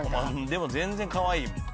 でも全然かわいいもん。